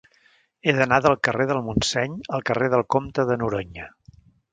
He d'anar del carrer del Montseny al carrer del Comte de Noroña.